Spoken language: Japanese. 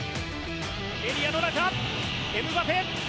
エリアの中、エムバペ！